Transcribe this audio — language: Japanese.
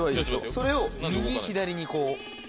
それを右左にこう。